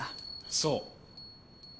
そう。